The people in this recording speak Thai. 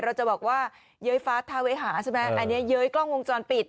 เราจะบอกว่าเย้ยฟ้าทาเวหาใช่ไหมอันนี้เย้ยกล้องวงจรปิด